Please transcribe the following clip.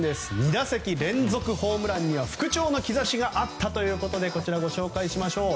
２打席連続ホームランには復調の兆しがあったということでご紹介しましょう。